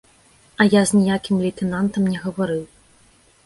А я з ніякім лейтэнантам не гаварыў.